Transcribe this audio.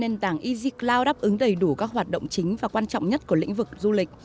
nền tảng easycloud đáp ứng đầy đủ các hoạt động chính và quan trọng nhất của lĩnh vực du lịch